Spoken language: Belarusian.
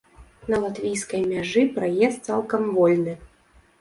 На латвійскай мяжы праезд цалкам вольны.